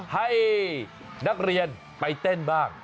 ให้นักเรียนไปเต้นบ้าง